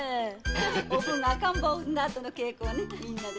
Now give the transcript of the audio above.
おぶんが赤ん坊を産んだあとの稽古をねみんなで。